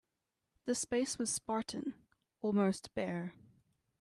The space was spartan, almost bare.